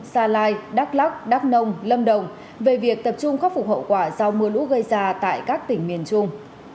gia lai đắk lắc đắk nông lâm đồng về việc tập trung khắc phục hậu quả do mưa lũ gây ra tại các tỉnh miền trung